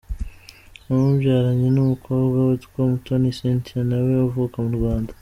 Yamubyaranye n’umukobwa witwa Umutoni Cynthia na we uvuka mu Rwanda.